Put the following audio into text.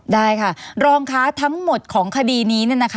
ได้ค่ะรองค้าทั้งหมดของคดีนี้เนี่ยนะคะ